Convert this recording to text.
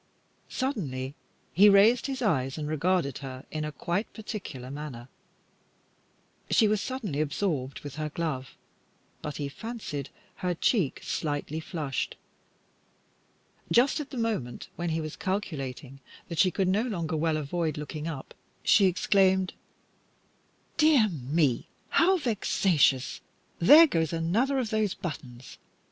Suddenly he raised his eyes and regarded her in a quite particular manner. She was suddenly absorbed with her glove, but he fancied that her cheek slightly flushed. Just at the moment when he was calculating that she could no longer well avoid looking up, she exclaimed "Dear me, how vexatious! there goes another of those buttons.